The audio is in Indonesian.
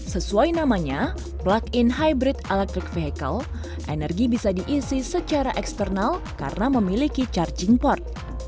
sesuai namanya plug in hybrid electric vehicle energi bisa diisi secara eksternal karena memiliki charging port